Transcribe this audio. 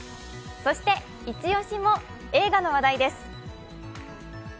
そしてイチ押しも映画の話題です。